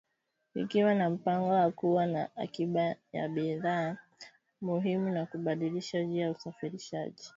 Ikiwa na mpango wa kuwa na akiba ya bidhaa muhimu na kubadilisha njia ya usafarishaji bidhaa Tanzania